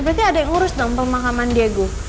berarti ada yang ngurus dong pemahaman diego